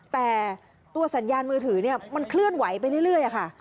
แต่ตัวสัญญาณมือถือมันเคลื่อนไหวไปเรื่อยค่ะ